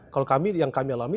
kalau kami yang kami alami